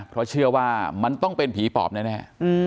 เพราะเชื่อว่ามันต้องเป็นผีปอบแน่